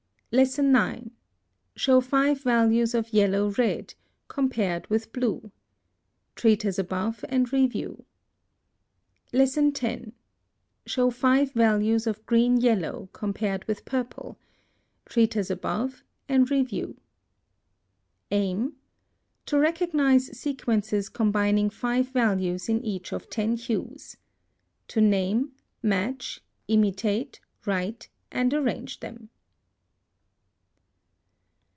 9. Show FIVE VALUES of YELLOW RED „ Blue. Treat as above and review. 10. Show FIVE VALUES of GREEN YELLOW „ Purple. Treat as above and review. Aim. To recognize sequences combining five values in each of ten hues. To name, match, imitate, WRITE, and arrange them.